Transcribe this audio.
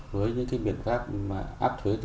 với những biện pháp áp thuế tự vệ